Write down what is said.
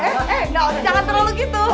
eh daun jangan terlalu gitu